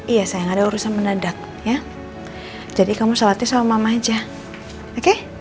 iya sayang ada urusan menadat jadi kamu selatih sama mama aja oke